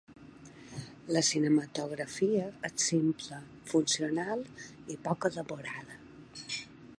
La cinematografia és simple, funcional i poc elaborada.